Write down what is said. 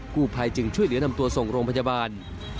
ผู้ภัยจึงช่วยเหลือนำตัวส่งโรงพยาบาล